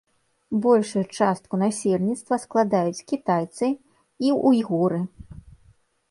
Большую частку насельніцтва складаюць кітайцы і уйгуры.